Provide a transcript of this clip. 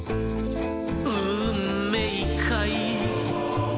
「うんめいかい？」